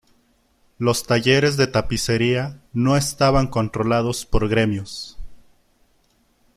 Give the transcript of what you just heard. Los talleres de tapicería no estaban controlados por gremios.